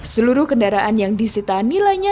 seluruh kendaraan yang disita nilainya